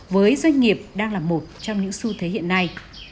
với doanh nghiệp đang là một trong những xu thế hiện nay